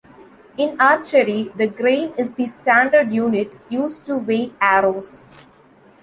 In archery, the grain is the standard unit used to weigh arrows.